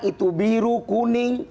itu biru kuning